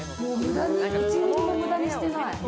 １ミリも無駄にしてない。